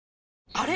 あれ？